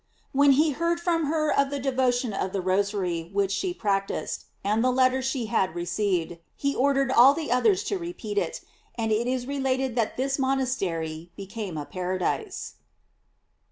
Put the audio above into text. When he heard from her of the de* votion of the Rosary which she practised, and the letter she had received, he ordered all the others to repeat it, and it is related that this monastery became a paradise.